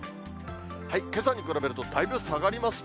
けさに比べるとだいぶ下がりますね。